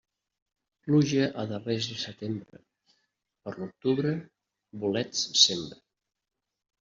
Pluja a darrers de setembre, per l'octubre bolets sembra.